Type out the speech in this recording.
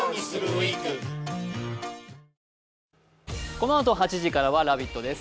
このあと８時からは「ラヴィット！」です。